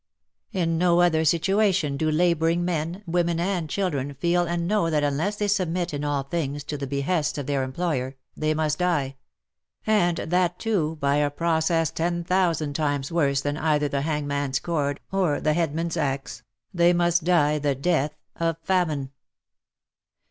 In no other situation do labouring men, women, and children, feel and know that unless they submit in all things to the behests of their employer, they must die — and that too by a process ten thousand times worse than either the hangman's cord, or the headsman's axe — they must die the death of famine.